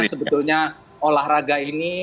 sebetulnya olahraga ini